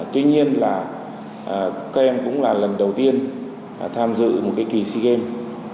tuy nhiên là các em cũng là lần đầu tiên tham dự một cái kỳ sea games